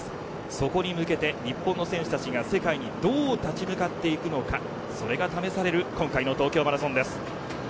そこに向けて日本の選手たちが世界にどう立ち向かっていくのかそれが試される今回の東京マラソンです。